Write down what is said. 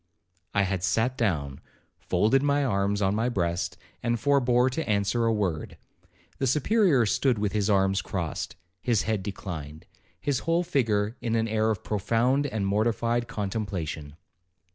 I had sat down, folded my arms on my breast, and forbore to answer a word. The Superior stood with his arms crossed, his head declined, his whole figure in an air of profound and mortified contemplation.